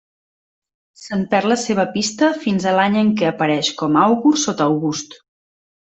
Se'n perd la seva pista fins a l'any en què apareix com àugur sota August.